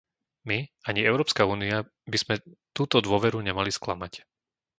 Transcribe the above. My ani Európska únia by sme túto dôveru nemali sklamať.